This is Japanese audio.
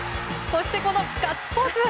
そして、このガッツポーズ。